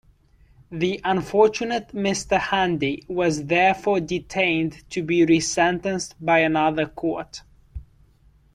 The unfortunate Mr Handy was therefore detained to be re-sentenced by another court.